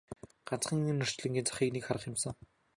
Ганцхан энэ орчлонгийн захыг нэг харах юмсан!